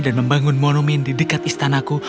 dan membangun monumin di dekat istanaku